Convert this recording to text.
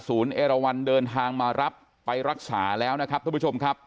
เอราวันเดินทางมารับไปรักษาแล้วนะครับทุกผู้ชมครับ